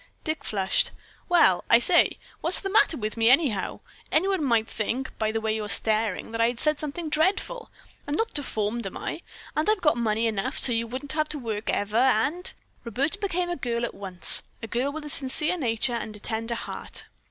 Dick flushed. "Well, I say! What's the matter with me, anyhow? Anyone might think, by the way you're staring, that I had said something dreadful. I'm not deformed, am I? And I've got money enough so you wouldn't have to work ever and " Roberta became a girl at once, a girl with a sincere nature and a tender heart.